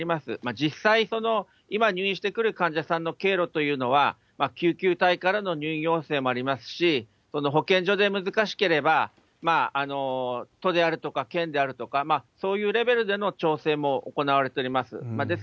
実際、今、入院してくる患者さんの経路というのは、救急隊からの入院要請もありますし、保健所で難しければ、都であるとか、県であるとか、そういうレベルでの調整も行われております。